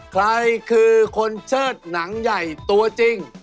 ใครคือคนเชิดหนังใหญ่ตัวจริง